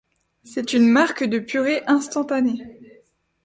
C'est une marque de purée instantanée.